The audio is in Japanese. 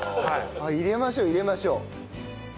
入れましょう入れましょう。